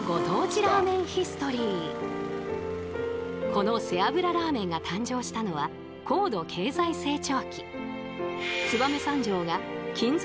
この背脂ラーメンが誕生したのは高度経済成長期。